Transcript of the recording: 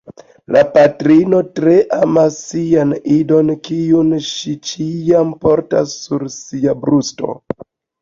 La patrino tre amas sian idon, kiun ŝi ĉiam portas sur sia brusto.